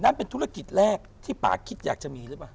นั้นเป็นธุรกิจแรกที่ป่าคิดอยากจะมีหรือเปล่า